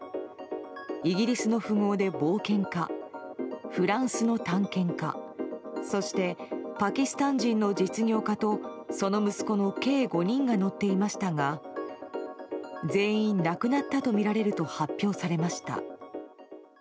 イギリスの富豪で冒険家フランスの探検家そしてパキスタン人の実業家とその息子の計５人が乗っていましたが全員、亡くなったとみられると発表されました。